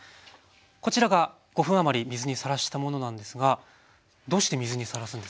こちらが５分余り水にさらしたものなんですがどうして水にさらすんですか？